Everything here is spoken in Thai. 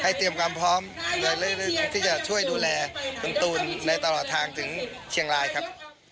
เตรียมความพร้อมในเรื่องที่จะช่วยดูแลคุณตูนในตลอดทางถึงเชียงรายครับ